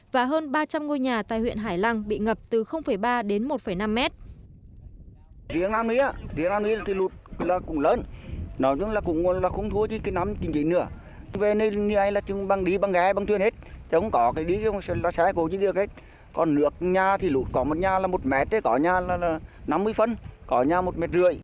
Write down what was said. và hơn ba trăm linh ngôi nhà tại huyện hải lăng bị ngập từ ba đến một năm mét